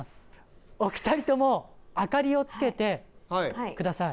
お２人とも明かりをつけて下さい。